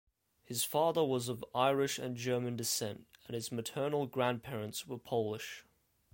His father was of Irish and German descent, and his maternal grandparents were Polish.